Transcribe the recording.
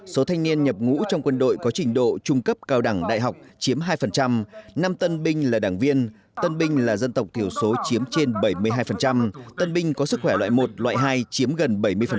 số thanh niên nhập ngũ trong quân đội có trình độ trung cấp cao đẳng đại học chiếm hai năm tân binh là đảng viên tân binh là dân tộc thiểu số chiếm trên bảy mươi hai tân binh có sức khỏe loại một loại hai chiếm gần bảy mươi